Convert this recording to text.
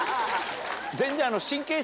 全然。